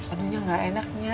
aduhnya nggak enaknya